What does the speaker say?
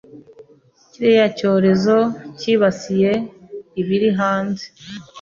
kiriya cyorezo cyibasiye ibiri hanze ...